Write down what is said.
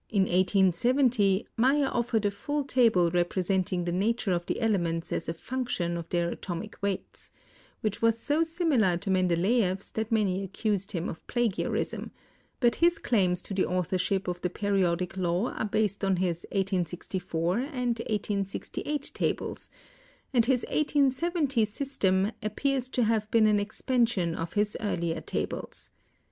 In 1870, Meyer offered a full table representing the na ture of the elements as a function of their atomic weights which was so similar to Mendeleeff's that many accused him of plagiarism, but his claims to the authorship of the Periodic Law are based on his 1864 and 1868 tables, and his 1870 system appears to have been an expansion of his earlier tables.